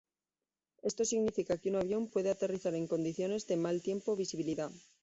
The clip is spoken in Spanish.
Esto significa que un avión puede aterrizar en condiciones de mal tiempo o visibilidad.